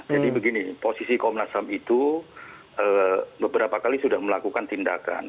jadi begini posisi komnas ham itu beberapa kali sudah melakukan tindakan